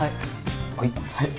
はい。